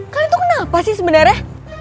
kalian tuh kenapa sih sebenarnya